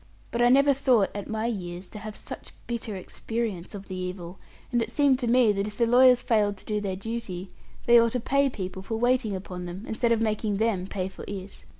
But I never thought at my years to have such bitter experience of the evil; and it seemed to me that if the lawyers failed to do their duty, they ought to pay people for waiting upon them, instead of making them pay for it.